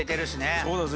そうだぜ。